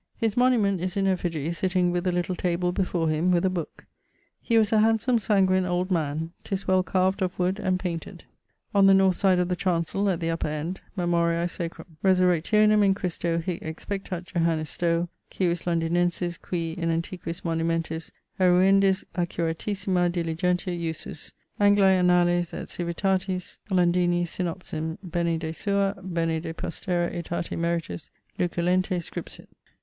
His monument is in effige, sitting with a little table before him, with a booke. He was a handsome sanguine old man. 'Tis well carved (of wood) and painted. On the north side of the chancel at the upper end[BS]: Memoriae Sacrum Resurrectionem in Christo hic expectat Johannes Stowe, Civis Londinensis, qui, in antiquis monumentis eruendis accuratissima diligentia usus, Angliae Annales et Civitatis Londini Synopsim, bene de sua, bene de postera aetate meritus, luculenter scripsit.